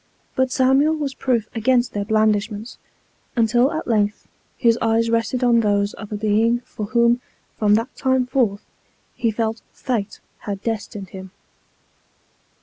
But, Samuel was proof against their blandishments, until at length his eyes rested on those of a Being for whom, from that time forth, he felt fate had destined him.